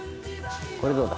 これどうだ？